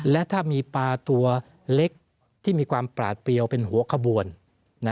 และถ้ามีปลาตัวเล็กที่มีความปลาดเปรียวเป็นหัวขบวน